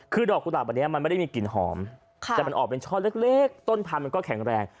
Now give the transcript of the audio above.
คือดอกกุหลาบอันนี้มันไม่ได้มีกลิ่นหอมแต่มันออกเป็นช่อเล็กต้นพันธุ์มันก็แข็งแรง